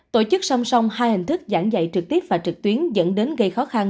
tổ chức song song hai hình thức giảng dạy trực tiếp và trực tuyến dẫn đến gây khó khăn